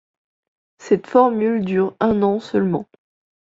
Cette formule dure un an seulement.